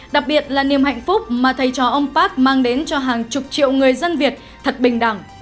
đặc biệt là niềm hạnh phúc mà thầy trò ông park mang đến cho hàng chục triệu người dân việt thật bình đẳng